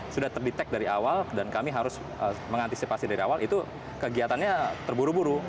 sudah terdetek dari awal dan kami harus mengantisipasi dari awal itu kegiatannya terburu buru